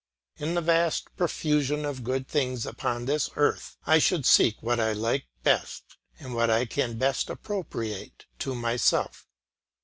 In the vast profusion of good things upon this earth I should seek what I like best, and what I can best appropriate to myself.